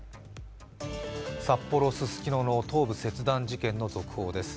札幌・ススキノの頭部切断事件の続報です。